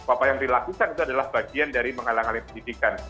apa yang dilakukan itu adalah bagian dari menghalang halangi pendidikan